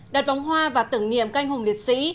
đặt vòng hoa và tưởng niệm canh hùng liệt sĩ